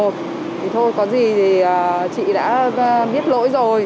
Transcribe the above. thì thôi có gì thì chị đã biết lỗi rồi